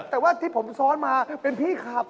แต่ว่าที่ผมซ้อนมาเป็นพี่ขับ